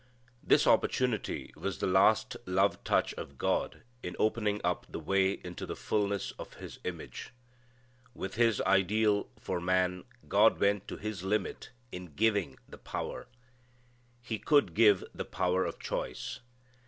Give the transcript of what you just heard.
This opportunity was the last love touch of God in opening up the way into the fulness of His image. With His ideal for man God went to His limit in giving the power. He could give the power of choice.